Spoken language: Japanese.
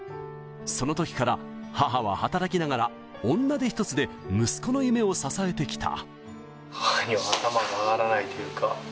そのときから母は働きながら女手一つで息子の夢を支えてきた。